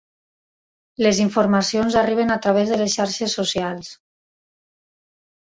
Les informacions arriben a través de les xarxes socials.